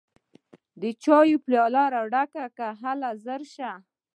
د چايو پياله راډکه کړه هله ژر شه!